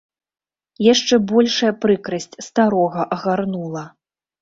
Яшчэ большая прыкрасць старога агарнула.